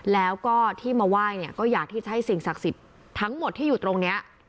แล้วก็ที่มาไหว้เนี่ยก็อยากที่จะให้สิ่งศักดิ์สิทธิ์ทั้งหมดที่อยู่ตรงนี้